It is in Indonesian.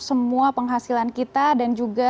semua penghasilan kita dan juga